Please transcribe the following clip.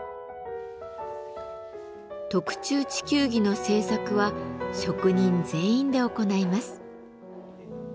特注地球儀の制作は職人全員で行います。